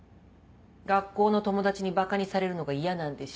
学校の友達にばかにされるのが嫌なんでしょ？